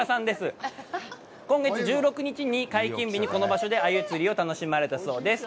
今月１６日に解禁日に、この場所で鮎釣りを楽しまれたそうです。